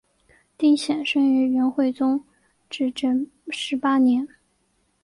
丁显生于元惠宗至正十八年。